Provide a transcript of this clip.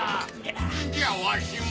じゃわしも。